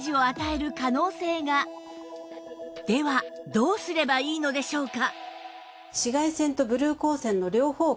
どうすればいいのでしょうか？